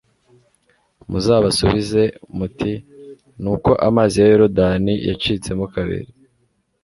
muzabasubize muti 'ni uko amazi ya yorudani yacitsemo kabiri